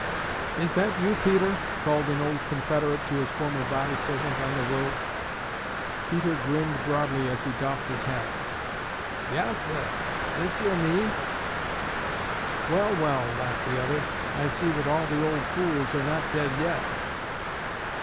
"Is that you, Peter?" called an old Confederate to his former body servant on the road. Peter grinned broadly as he doffed his hat. "Yas, suh, dis yer me." "Well, well!" laughed the other. "I see that all the old fools are not dead yet."